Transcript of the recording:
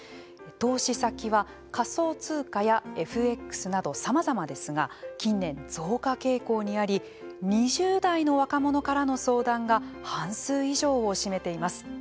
投資先は、仮想通貨やＦＸなどさまざまですが近年、増加傾向にあり２０代の若者からの相談が半数以上を占めています。